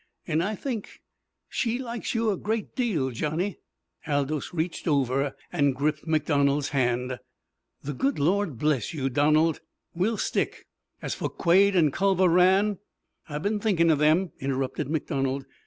"An' I think she likes you a great deal, Johnny." Aldous reached over and gripped MacDonald's hand. "The good Lord bless you, Donald! We'll stick! As for Quade and Culver Rann " "I've been thinkin' of them," interrupted MacDonald.